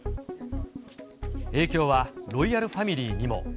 影響はロイヤルファミリーにも。